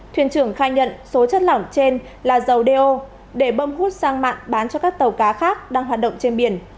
thuyền trưởng khai nhận số chất lỏng trên là dầu do để bơm hút sang mạng bán cho các tàu cá khác đang hoạt động trên biển